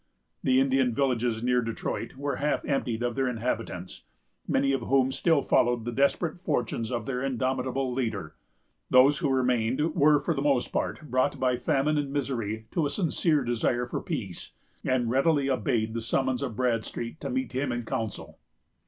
The Indian villages near Detroit were half emptied of their inhabitants, many of whom still followed the desperate fortunes of their indomitable leader. Those who remained were, for the most part, brought by famine and misery to a sincere desire for peace, and readily obeyed the summons of Bradstreet to meet him in council.